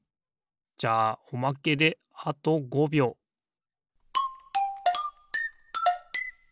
じゃあおまけであと５びょうピッ！